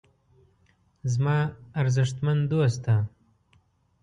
زما ارزښتمن دوسته.